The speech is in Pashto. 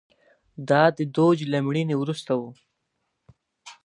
دا د دوج له مړینې وروسته و